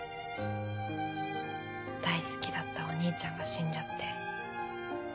大好きだったお兄ちゃんが死んじゃって。